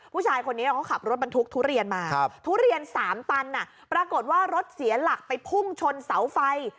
ผู้ชายคนนี้เขาขับรถบรรทุกทุเรียนมาทุเรียน๓ตันปรากฏว่ารถเสียหลักไปพุ่งชนเสาไฟ